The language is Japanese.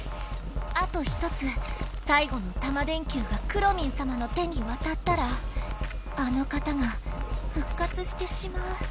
あと１つ最後のタマ電Ｑがくろミンさまの手にわたったらあの方がふっ活してしまう。